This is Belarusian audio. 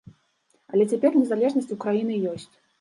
Але цяпер незалежнасць у краіны ёсць.